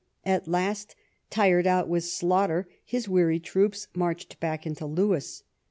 At last, tired out with slaughter, his weary troops marched back into Lewes.